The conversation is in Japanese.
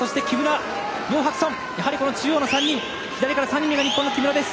中央の３人左から３人目が日本の木村です。